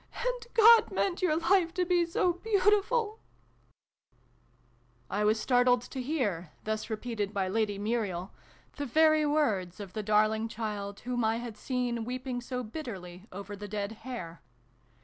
" And God meant your life to be so beautiful !" I was startled to hear, thus repeated by Lady Muriel, the very words of the darling child whom I had seen weeping so bitterly over the dead hare.